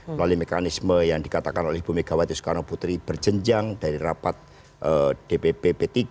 melalui mekanisme yang dikatakan oleh ibu megawati soekarno putri berjenjang dari rapat dpp p tiga